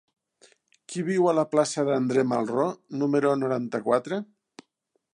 Qui viu a la plaça d'André Malraux número noranta-quatre?